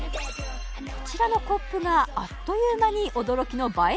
こちらのコップがあっという間に驚きの映え